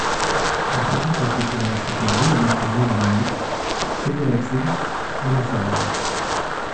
Il fréquente ensuite l'université Louis-et-Maximilien de Munich, celle de Leipzig et la Sorbonne.